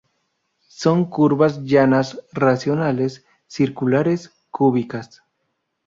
Son curvas llanas racionales, circulares, cúbicas.